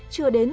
chưa đến một